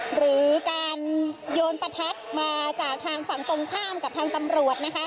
หรือการโยนประทัดมาจากทางฝั่งตรงข้ามกับทางตำรวจ